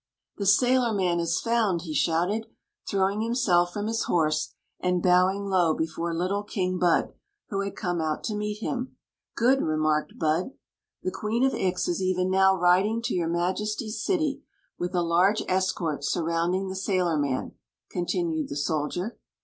The sailorman is found!" he shouted, throwing himself from his horse and bowing low before little King Bud, who had come jut to meet him. "Good," marked Bud. "The Qu en of Ix is even now riding to your Majesty's city with a large escort surrounding the sailorman," continued the soldier.